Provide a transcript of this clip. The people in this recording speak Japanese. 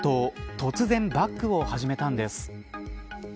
突然、バックを始めたんです。